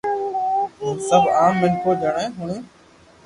ھين سب عام مينکون جيڻي ھوڻيون